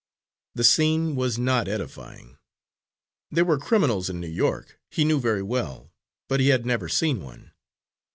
The scene was not edifying. There were criminals in New York, he knew very well, but he had never seen one.